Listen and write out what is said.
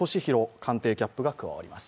官邸キャップが加わります。